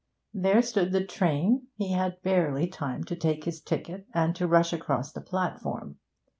There stood the train; he had barely time to take his ticket and to rush across the platform.